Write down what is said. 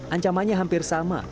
ancamannya hampir sama